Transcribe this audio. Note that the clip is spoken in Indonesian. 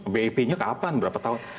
bep nya kapan berapa tahun